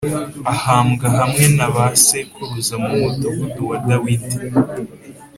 Ahambwa hamwe na ba sekuruza mu mudugudu wa dawidi